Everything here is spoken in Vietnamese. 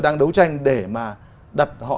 đang đấu tranh để mà đặt họ